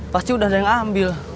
pasti udah ada yang ambil